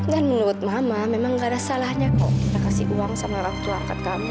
dan menurut mama memang gak ada salahnya kok kita kasih uang sama rakyat rakyat kamu